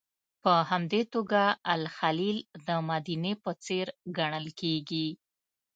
په همدې توګه الخلیل د مدینې په څېر ګڼل کېږي.